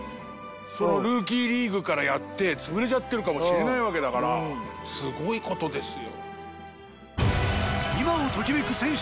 ルーキーリーグからやって潰れちゃってるかもしれないわけだからすごい事ですよ。